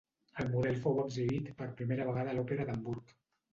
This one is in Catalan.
El model fou exhibit per primera vegada a l'Òpera d'Hamburg.